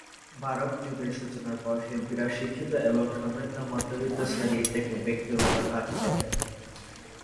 Baroque যুগের সূচনার পর শিল্পীরা শিক্ষিত এবং সমৃদ্ধ মধ্যবিত্ত শ্রেণীর থেকে ব্যক্তিগত কাজ পেতেন।